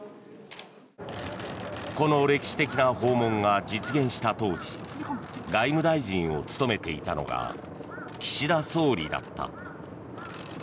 この歴史的な訪問が実現した当時外務大臣を務めていたのが岸田総理だった。